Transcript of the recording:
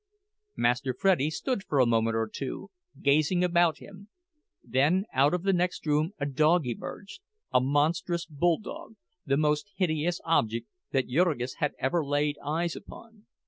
Master Freddie stood for a moment or two, gazing about him; then out of the next room a dog emerged, a monstrous bulldog, the most hideous object that Jurgis had ever laid eyes upon.